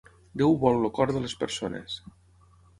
Déu vol el cor de les persones.